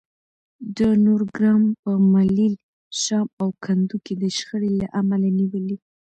د نورګرام په ملیل، شام او کندو کې د شخړې له امله نیولي